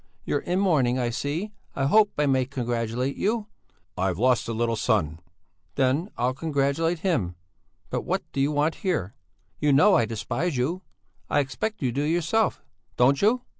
You're in mourning, I see; I hope I may congratulate you." "I've lost a little son." "Then I'll congratulate him! But what do you want here? You know I despise you! I expect you do yourself. Don't you?"